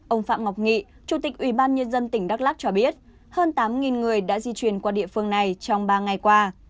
ông phạm ngọc nghị chủ tịch ubnd tỉnh đắk lắc cho biết hơn tám người đã di chuyển qua địa phương này trong ba ngày qua